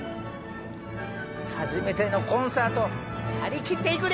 初めてのコンサート張り切っていくで！